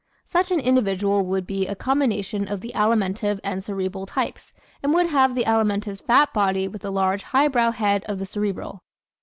Such an individual would be a combination of the Alimentive and Cerebral types and would have the Alimentive's fat body with a large highbrow head of the Cerebral.